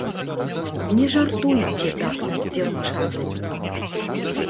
Не жартуйце так над дзяўчатамі!